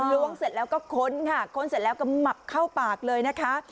ล้วงเสร็จแล้วก็ค้นค่ะค้นเสร็จแล้วก็หมับเข้าปากเลยนะคะ